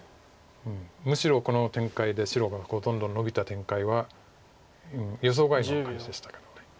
むしろこの展開で白がほとんどノビた展開は予想外の感じでした。